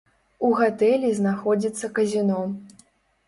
У гатэлі знаходзіцца казіно.